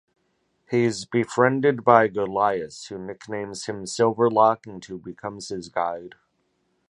He is befriended by Golias, who nicknames him "Silverlock" and who becomes his guide.